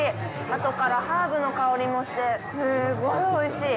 後からハーブの香りもして、すごいおいしい！